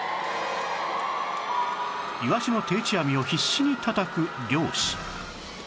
イワシの定置網を必死にたたく漁師